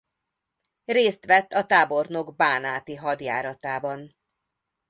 Részt vett a tábornok bánáti hadjáratában.